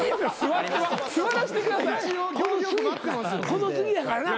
この次やからな。